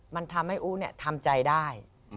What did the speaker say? มันทำให้อู๋ทำใจได้